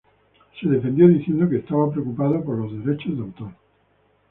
Se defendió diciendo que estaba preocupado por los derechos de autor